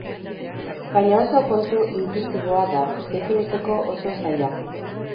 Baina oso kontu intuitiboa da, definitzeko oso zaila.